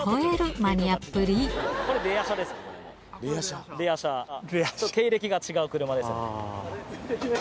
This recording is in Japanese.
ちょっと経歴が違う車ですね。